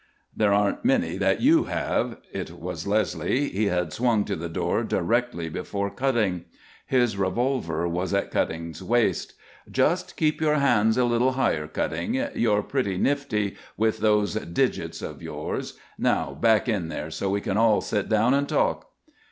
"There aren't many that you have." It was Leslie. He had swung to the door directly before Cutting. His revolver was at Cutting's waist. "Just keep your hands a little higher, Cutting: you're pretty nifty with those digits of yours. Now back in there, so we can all sit down and talk."